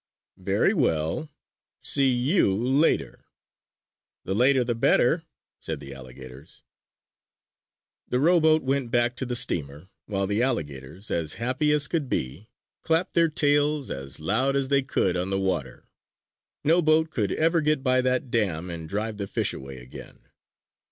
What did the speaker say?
"Very well! See you later!" "The later the better," said the alligators. The rowboat went back to the steamer, while the alligators, as happy as could be, clapped their tails as loud as they could on the water. No boat could ever get by that dam, and drive the fish away again!